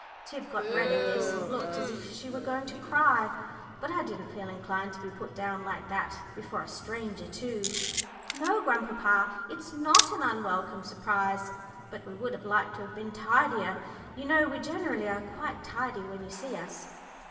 Tib got red at this, and looked as if she were going to cry. But I didn't feel inclined to be put down like that, before a stranger, too. "No, grandpapa; it's not an unwelcome surprise, but we would have liked to have been tidier; you know we generally are quite tidy when you see us."